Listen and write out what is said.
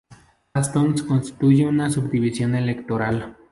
Aston constituye una subdivisión electoral.